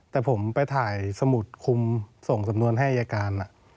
แต่ผมไปถ่ายสมุดคุมส่งสำนวนให้อายการ